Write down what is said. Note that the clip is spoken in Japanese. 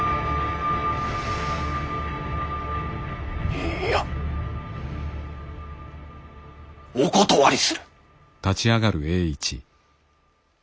いいやお断りする！